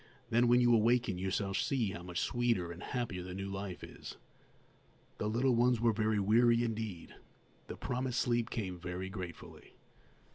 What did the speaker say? Then, when you awaken, you shall see how much sweeter and happier the new life is." The little ones were very weary indeed. The promised sleep came very gratefully.